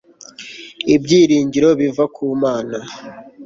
Ibyiringiro biva ku Mana